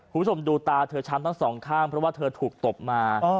คุณผู้ชมดูตาเธอช้ำทั้งสองข้างเพราะว่าเธอถูกตบมา